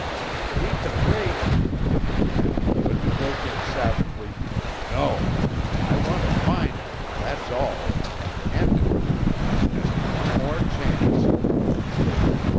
"We can wait " I began; but he broke in savagely: "No! I want to find her, that's all and end it. Just one more chance!"